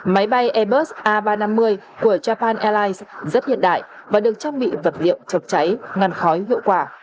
máy bay airbus a ba trăm năm mươi của japan airlines rất hiện đại và được trang bị vật liệu chọc cháy ngăn khói hiệu quả